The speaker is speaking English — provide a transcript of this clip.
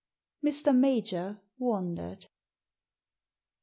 Mr. Major wondered.